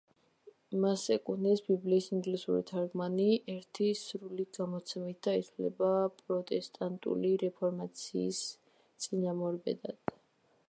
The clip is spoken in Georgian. მას ეკუთვნის ბიბლიის ინგლისური თარგმანი ერთი სრული გამოცემით და ითვლება პროტესტანტული რეფორმაციის წინამორბედად.